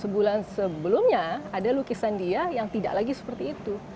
sebulan sebelumnya ada lukisan dia yang tidak lagi seperti itu